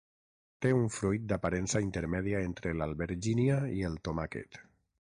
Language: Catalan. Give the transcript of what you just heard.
Té un fruit d'aparença intermèdia entre l'albergínia i el tomàquet.